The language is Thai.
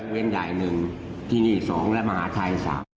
เวียงใหญ่หนึ่งทีนี้๒และมหาชัย๓